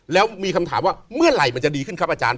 แล้วมีคำถามว่าเมื่อไหร่มันจะดีขึ้นครับอาจารย์